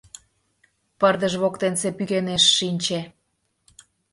Пырдыж воктенсе пӱкенеш шинче.